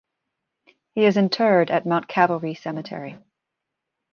He is interred at Mount Calvary Cemetery.